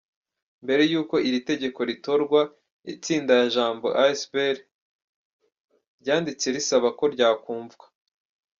Mbere y’uko iri tegeko ritorwa, itsinda ya Jambo asbl ryanditse risaba ko ryakumvwa.